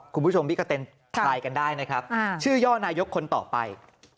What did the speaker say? คุณผู้ชมพี่กระเต็นทายกันได้นะครับชื่อย่อนายกคนต่อไป